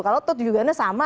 kalau tujuannya sama